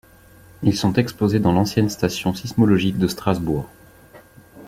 Ils sont exposés dans l'ancienne station sismologique de Strasbourg.